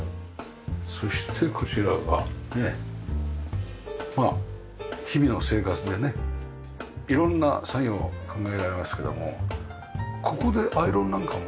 そしてこちらがね日々の生活でね色んな作業考えられますけどもここでアイロンなんかも。